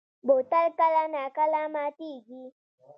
بوتل کله نا کله ماتېږي.